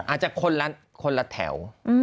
อาจจะคนละแถว